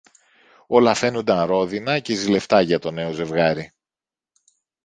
Όλα φαίνουνταν ρόδινα και ζηλευτά για το νέο ζευγάρι.